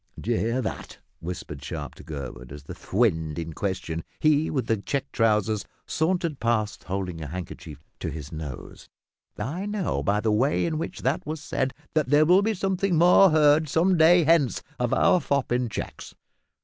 "D'you hear that?" whispered Sharp to Gurwood, as the "fwend" in question he with the checked trousers sauntered past holding a handkerchief to his nose. "I know by the way in which that was said that there will be something more heard some day hence of our fop in checks.